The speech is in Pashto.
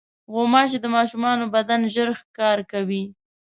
غوماشې د ماشومانو بدن ژر ښکار کوي.